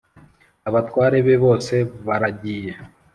abatware be bose baragiye